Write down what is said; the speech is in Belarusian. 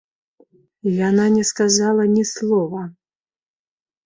Яна не сказала ні слова.